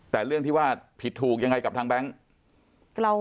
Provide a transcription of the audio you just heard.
แต่เรื่องที่ว่าผิดถูกยังไงกับทางแบงค์